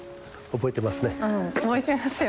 覚えてますよ